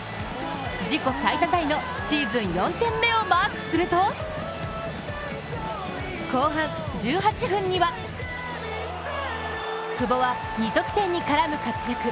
自己最多タイのシーズン４点目をマークすると後半１８分には久保は２得点に絡む活躍。